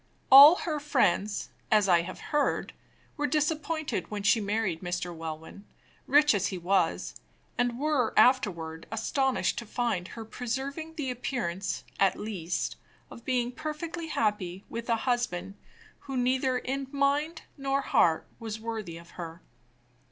All her friends, as I have heard, were disappointed when she married Mr. Welwyn, rich as he was; and were afterward astonished to find her preserving the appearance, at least, of being perfectly happy with a husband who, neither in mind nor heart, was worthy of her.